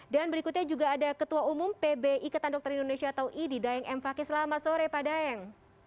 dan berikutnya juga ada ketua umum pbi ketan dokter indonesia atau idi dayeng m fakih selamat sore pak dayeng